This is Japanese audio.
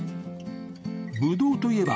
ぶどうと言えば